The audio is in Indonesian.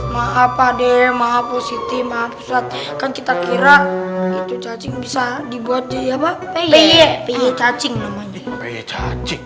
maaf ade maaf siti maaf kan kita kira bisa dibuat jadi apa